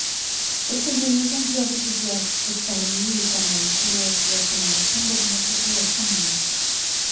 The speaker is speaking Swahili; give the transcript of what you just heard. utengenezaji wa vitu vya kutalii Kama nguo viatu na mapambo vinavutia sana